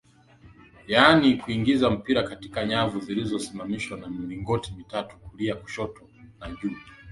yaani kuingiza mpira katika nyavu zilizosimamishwa na milingoti mitatu kulia Kushoto na juu